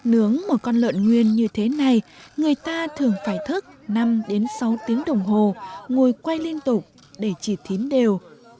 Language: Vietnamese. nướng một con lợn nguyên như thế này người ta thường phải thức năm đến sáu tiếng đồng hồ ngồi quay liên tục để chỉ thím đều